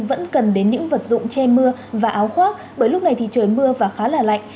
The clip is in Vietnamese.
vẫn cần đến những vật dụng che mưa và áo khoác bởi lúc này thì trời mưa và khá là lạnh